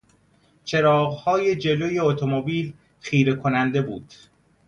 چراغهای جلو اتومبیل خیره کننده بود.